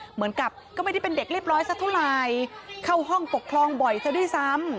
เหมือนกับก็ไม่ได้เป็นเด็กเรียบร้อยสักเท่าไหร่เข้าห้องปกครองบ่อยซะด้วยซ้ำ